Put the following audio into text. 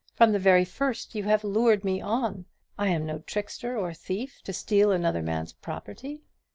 From the very first you have lured me on. I am no trickster or thief, to steal another man's property.